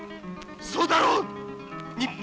そうだろ！日本！